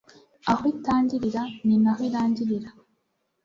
aho itangirira ni naho irangirira